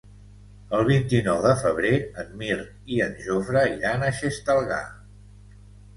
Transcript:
El vint-i-nou de febrer en Mirt i en Jofre iran a Xestalgar.